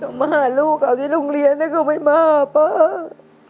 เขามาหาลูกเขาที่โรงเรียนแต่เขาไม่มาหาป่าว